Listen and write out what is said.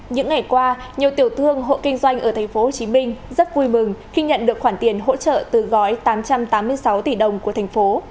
những ngày qua nhiều tiểu thương hộ kinh doanh ở tp hcm rất vui mừng khi nhận được khoản tiền hỗ trợ từ gói tám trăm tám mươi sáu tỷ đồng của thành phố